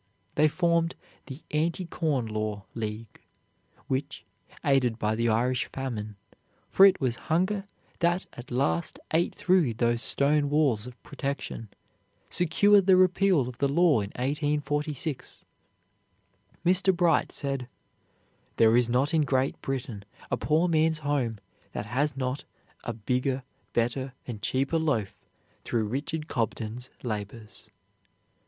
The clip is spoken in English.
They formed the "Anti Corn Law League," which, aided by the Irish famine, for it was hunger that at last ate through those stone walls of protection, secured the repeal of the law in 1846. Mr. Bright said: "There is not in Great Britain a poor man's home that has not a bigger, better, and cheaper loaf through Richard Cobden's labors."